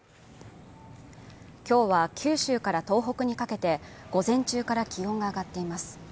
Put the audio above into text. きょうは九州から東北にかけて午前中から気温が上がっています